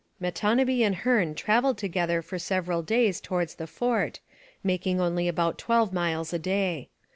Matonabbee and Hearne travelled together for several days towards the fort, making only about twelve miles a day.